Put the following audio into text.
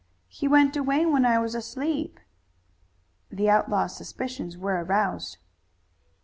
"He went away when I was asleep." The outlaw's suspicions were aroused.